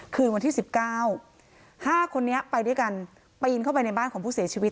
คืนวันที่๑๙๕คนนี้ไปด้วยกันปีนเข้าไปในบ้านของผู้เสียชีวิต